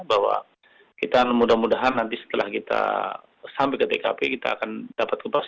bahwa kita mudah mudahan nanti setelah kita sampai ke tkp kita akan dapat kupas